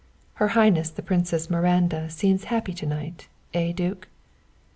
"Her Highness the Princess Miranda seems happy to night, eh, duke?"